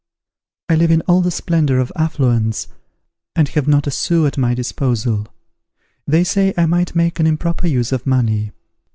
"I live in all the splendour of affluence, and have not a sous at my disposal. They say I might make an improper use of money.